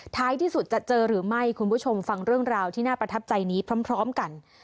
ท้ายที่สุดจะเจอหรือไม่คุณผู้ชมฟังเรื่องราวที่น่าประทับใจนี้พร้อมกัน